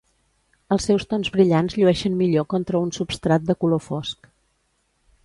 Els seus tons brillants llueixen millor contra un substrat de color fosc.